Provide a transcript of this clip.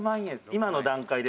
今の段階で」